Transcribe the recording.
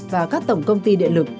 và các tổng công ty điện lực